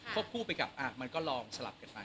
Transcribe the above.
คู่ไปกับมันก็ลองสลับกันไป